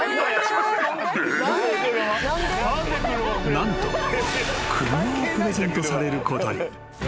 ［何と車をプレゼントされることに］